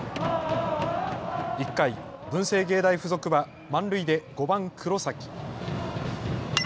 １回、文星芸大付属は満塁で５番・黒崎。